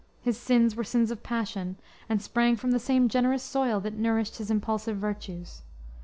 His sins were sins of passion, and sprang from the same generous soil that nourished his impulsive virtues.